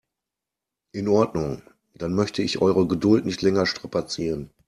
In Ordnung, dann möchte ich eure Geduld nicht länger strapazieren.